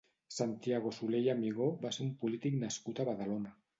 Santiago Soler i Amigó va ser un polític nascut a Badalona.